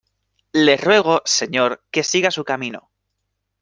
le ruego, señor , que siga su camino.